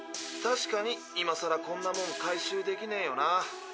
確かに今さらこんなもん回収できねえよな。